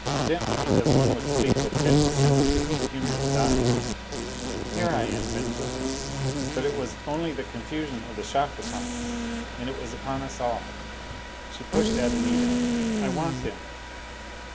Gently, as one would speak with gentle sympathy to humor the dying. "Here I am, Venza." But it was only the confusion of the shock upon her. And it was upon us all. She pushed at Anita. "I want him."